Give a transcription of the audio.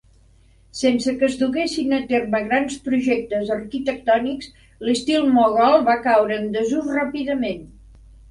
Sense que es duguessin a terme grans projectes arquitectònics, l'estil mogol va caure en desús ràpidament.